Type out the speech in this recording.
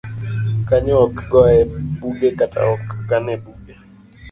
Kanyo ok goye buge kata ok kan e buge.